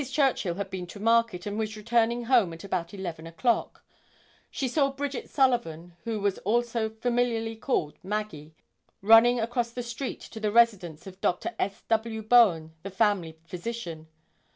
Churchill had been to market and was returning home at about 11 o'clock. She saw Bridget Sullivan, who was also familiarly called "Maggie," running across the street to the residence of Dr. S. W. Bowen, the family physician.